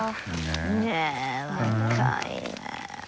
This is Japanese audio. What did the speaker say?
ねぇ若いね。